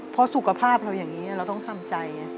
เพราะสุขภาพเราอย่างนี้เราต้องทำใจไง